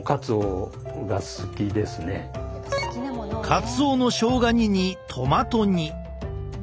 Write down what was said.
カツオのしょうが煮にトマト煮。